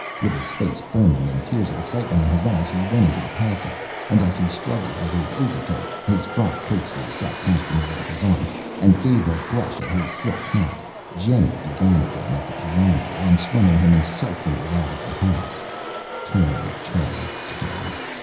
With his face burning and tears of excitement in his eyes, he went into the passage, and as he struggled with his overcoat his frock coat sleeves got concertinaed up his arm and gave a brush at his silk hat, Jennie began again at the piano, and strummed him insultingly out of the house. Turn, turn, turn.